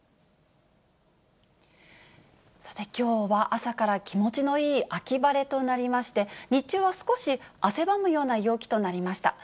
さて、きょうは朝から気持ちのいい秋晴れとなりまして、日中は少し汗ばむような陽気となりました。